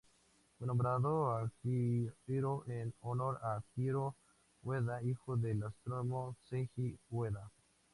Fue nombrado Akihiro en honor a Akihiro Ueda, hijo del astrónomo Seiji Ueda.